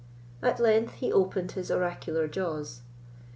At length he opened his oracular jaws.